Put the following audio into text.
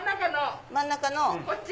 真ん中のこっち。